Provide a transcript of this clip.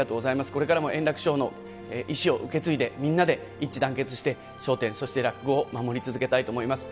これからも円楽師匠の遺志を受け継いで、みんなで一致団結して笑点、そして落語を守り続けたいと思います。